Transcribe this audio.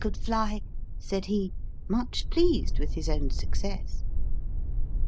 could fly/' said he, much pleased with his own success.